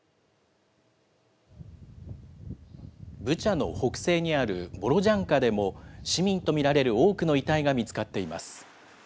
ブチャの北西にあるボロジャンカでも、市民と見られる多くの遺体が見つかっています。